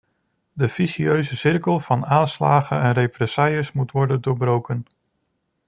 De vicieuze cirkel van aanslagen en represailles moet worden doorbroken.